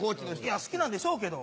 いや好きなんでしょうけど。